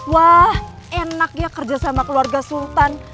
wah enak ya kerja sama keluarga sultan